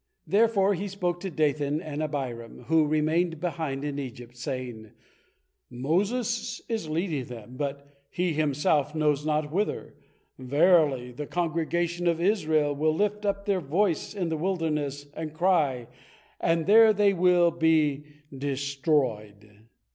Therefore he spoke to Dathan and Abiram, who remained behind in Egypt, saying: "Moses is leading them, but he himself knows not whither. Verily, the congregation of Israel will lift up their voice in the wilderness, and cry, and there they will be destroyed."